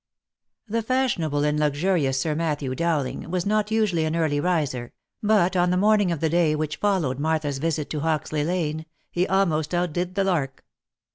The fashionable and luxurious Sir Matthew Bowling was not usually an early riser, but on the morning of the day which followed Martha's visit to Hoxley lane, he almost outdid the lark.